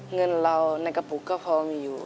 เงินเราในกระปุกก็พอมีอยู่